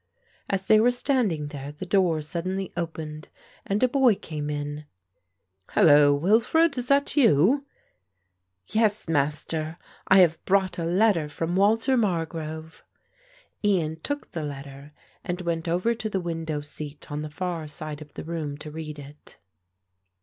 As they were standing there the door suddenly opened and a boy came in. "Hullo, Wilfred! is that you?" "Yes, master, I have brought a letter from Walter Margrove." Ian took the letter and went over to the window seat on the far side of the room to read it.